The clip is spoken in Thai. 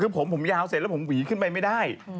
คือผมผมยาวเสร็จแล้วผมหวีขึ้นไปไม่ได้